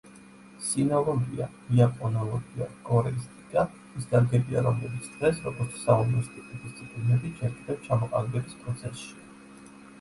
სინოლოგია, იაპონოლოგია, კორეისტიკა ის დარგებია, რომლებიც დღეს, როგორც საუნივერსიტეტო დისციპლინები ჯერ კიდევ ჩამოყალიბების პროცესშია.